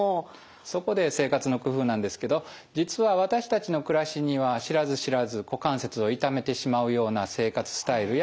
そこで生活の工夫なんですけど実は私たちの暮らしには知らず知らず股関節を痛めてしまうような生活スタイルや動作が潜んでいます。